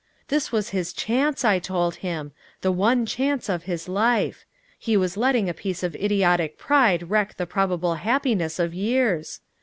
This was his chance, I told him; the one chance of his life; he was letting a piece of idiotic pride wreck the probable happiness of years.